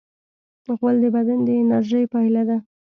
غول د بدن د انرژۍ پایله ده.